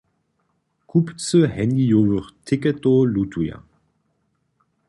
Kupcy handyjowych tiketow lutuja.